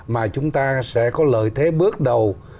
mà chúng ta sẽ có lợi thế bước đầu